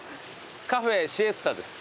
カフェシエスタです。